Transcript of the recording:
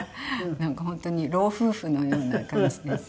なんか本当に老夫婦のような感じですね。